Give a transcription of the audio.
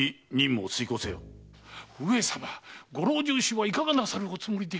上様ご老中衆はいかがなさるおつもりで？